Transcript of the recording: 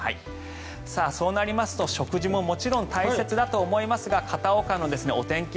そうなりますと食事ももちろん大切だと思いますが片岡のお天気